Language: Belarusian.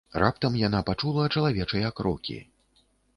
Раптам яна пачула чалавечыя крокі.